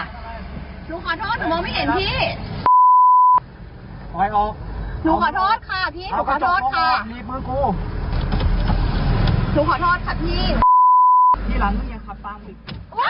หนูขอโทษหนูมองไม่เห็นพี่